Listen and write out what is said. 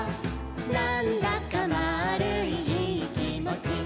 「なんだかまぁるいいいきもち」